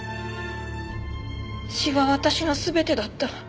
詩は私の全てだった。